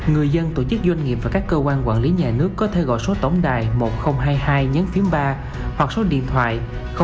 người dân tổ chức doanh nghiệp và các cơ quan quản lý nhà nước có thể gọi số tổng đài một nghìn hai mươi hai ba hoặc số điện thoại hai mươi tám ba nghìn tám trăm hai mươi bốn chín trăm linh